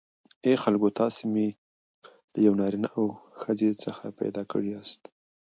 ای خلکو تاسی می له یوه نارینه او ښځی څخه پیداکړی یاست